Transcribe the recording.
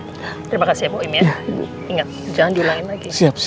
terima kasih ya bu im